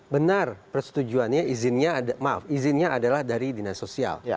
benar persetujuannya izinnya adalah dari dinas sosial